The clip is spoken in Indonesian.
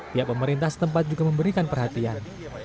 pihak pemerintah setempat juga memberikan perhatian